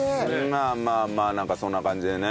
まあまあまあなんかそんな感じでね。